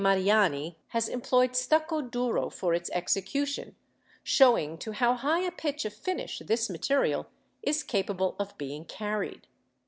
Mariani has employed stucco duro for its execution, showing to how high a pitch of finish this material is capable of being carried.